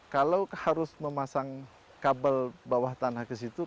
kalau harus memasang kabel bawah tanah ke situ